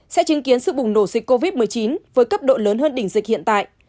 sẽ chứng kiến sự bùng nổ dịch covid một mươi chín với cấp độ lớn hơn đỉnh dịch hiện tại